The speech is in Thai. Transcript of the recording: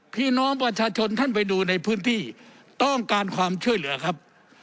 พี่น้องประชาชนท่านไปดูในพื้นที่ต้องการความช่วยเหลือครับ